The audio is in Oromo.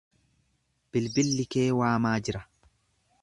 Bilbilli kee waamaa jira.